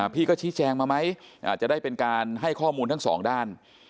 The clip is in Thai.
พี่ก็ชี้แจงมาไหมจะได้เป็นการให้ข้อมูลทั้งสองด้าน